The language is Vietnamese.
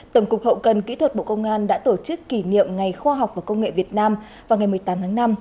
tổng cục hậu cần kỹ thuật bộ công an đã tổ chức kỷ niệm ngày khoa học và công nghệ việt nam vào ngày một mươi tám tháng năm